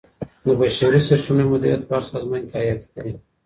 د بشري سرچینو مدیریت په هر سازمان کي حیاتي دی.